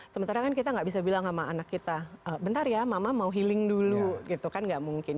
sementara kan kita nggak bisa bilang sama anak kita bentar ya mama mau healing dulu gitu kan nggak mungkin